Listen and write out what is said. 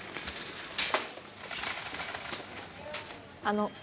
あの？